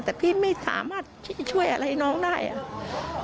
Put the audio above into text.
แต่พี่ไม่สามารถที่ช่วยอะไรน้องได้อ่ะ